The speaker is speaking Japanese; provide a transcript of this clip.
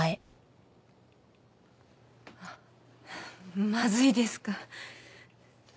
あっまずいですか？